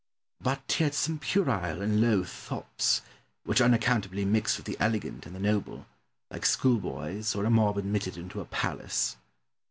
But he had some puerile and low thoughts, which unaccountably mixed with the elegant and the noble, like schoolboys or a mob admitted into a palace.